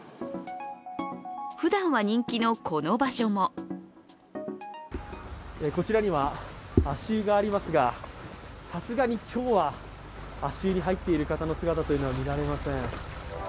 普段は人気のこの場所もこちらには足湯がありますが、さすがに今日は足湯に入っている方の姿は見られません。